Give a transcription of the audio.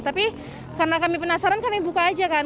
tapi karena kami penasaran kami buka aja kan